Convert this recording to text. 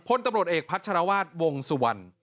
พลตำรวจเอกพัชรวาสวงสุวรรณ